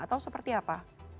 atau seperti apa